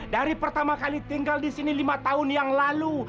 dari pertama kali tinggal disini lima tahun yang lalu